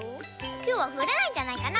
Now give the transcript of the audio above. きょうはふらないんじゃないかな？